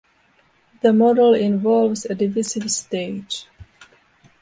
The model involves a divisive stage.